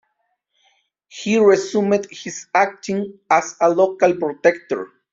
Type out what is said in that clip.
He resumed his acting as a local "protector".